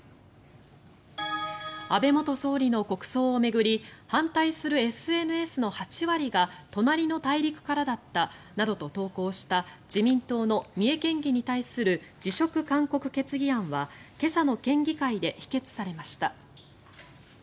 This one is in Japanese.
安倍元総理の国葬を巡り反対するＳＮＳの８割が隣の大陸からだったなどと投稿した自民党の三重県議に対する辞職勧告決議案は今朝の県議会で否決されました。